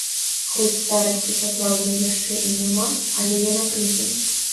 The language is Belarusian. Хоць старасці сапраўднай яшчэ і няма, але яна прыйдзе.